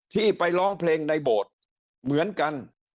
ที่ไปร้องเพลงในโบสถ์เหมือนกัน